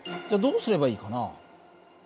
じゃどうすればいいかな？